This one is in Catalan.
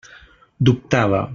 Dubtava.